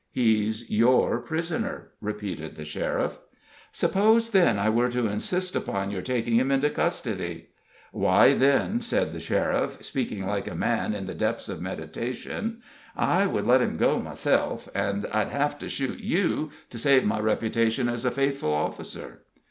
"He's your pris'ner," repeated the sheriff. "Suppose, then, I were to insist upon your taking him into custody." "Why, then," said the sheriff, speaking like a man in the depths of meditation, "I would let him go myself, and and I'd have to shoot you to save my reputation as a faithful officer."